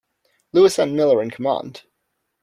Louis N. Miller in command.